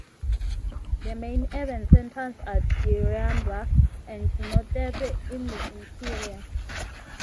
The main urban centres are Diriamba and Jinotepe in the interior.